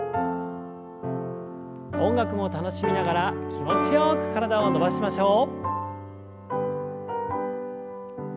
音楽も楽しみながら気持ちよく体を伸ばしましょう。